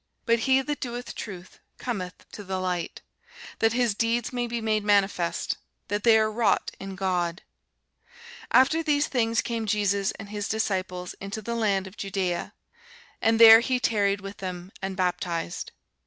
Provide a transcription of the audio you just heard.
But he that doeth truth cometh to the light, that his deeds may be made manifest, that they are wrought in God. [Sidenote: St. John 3] After these things came Jesus and his disciples into the land of Judæa; and there he tarried with them, and baptized.